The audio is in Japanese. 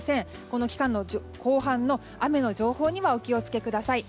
この期間の後半の雨の情報にはお気を付けください。